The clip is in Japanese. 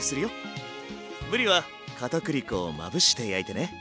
ぶりは片栗粉をまぶして焼いてね。